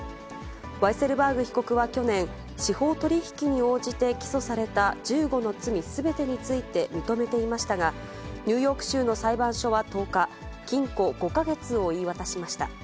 ワイセルバーグ被告は去年、司法取引に応じて起訴された１５の罪すべてについて認めていましたが、ニューヨーク州の裁判所は１０日、禁錮５か月を言い渡しました。